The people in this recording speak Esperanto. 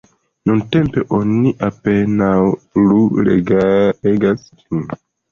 Nuntempe oni apenaŭ plu legas ĝin.